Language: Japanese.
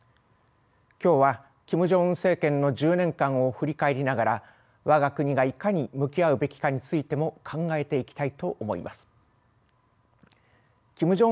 今日はキム・ジョンウン政権の１０年間を振り返りながらわが国がいかに向き合うべきかについても考えていきたいと思います。